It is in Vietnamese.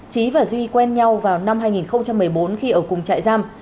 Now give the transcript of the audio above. trí và duy quen nhau vào năm hai nghìn một mươi bốn khi ở cùng trại giam